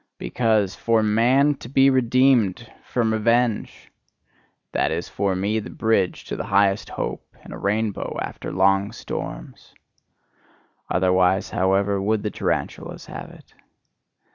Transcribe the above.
Because, FOR MAN TO BE REDEEMED FROM REVENGE that is for me the bridge to the highest hope, and a rainbow after long storms. Otherwise, however, would the tarantulas have it.